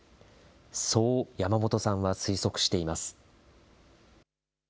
そう山本さんは推測しています。